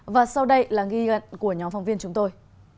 và sau đây là ghi gận của nhóm phòng viên chúng tôi